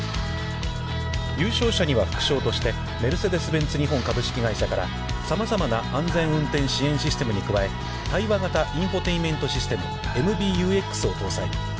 優勝者には副賞として、メルセデス・ベンツ日本株式会社から、さまざまな安全運転支援システムに加え、対話型インフォテインメントシステム「ＭＢＵＸ」を搭載。